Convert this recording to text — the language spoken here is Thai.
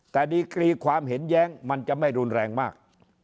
แต่ดีกรีความเห็นแย้งมันจะไม่รุนแรงมาก